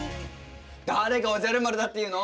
誰がおじゃる丸だっていうの。